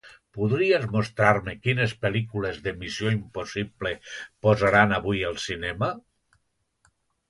Podries mostrar-me quines pel·lícules de "Missió impossible" posaran avui al cinema?